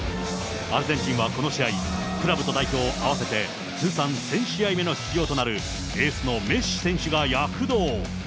アルゼンチンはこの試合、クラブと代表合わせて通算１０００試合目の出場となるエースのメッシ選手が躍動。